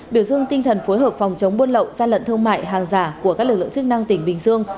biểu dương tinh thần phối hợp phòng chống buôn lậu gian lận thương mại hàng giả của các lực lượng chức năng tỉnh bình dương